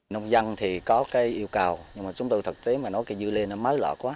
nông dân có yêu cầu nhưng chúng tôi thực tế nói dưa lên mấy lọt quá